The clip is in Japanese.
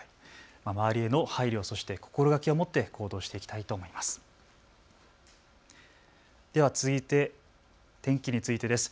周りへの配慮、そして心がけを持って行動していきたいと思います。